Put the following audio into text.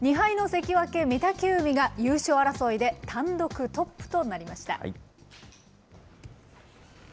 ２敗の関脇・御嶽海が、優勝争いで単独トップとなりました。